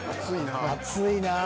熱いなぁ。